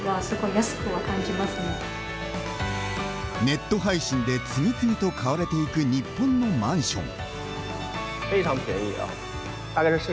ネット配信で次々と買われていく日本のマンション。